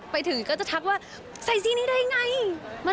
ไปถึงก็จะทักว่าใส่ซี่นี้ได้ไง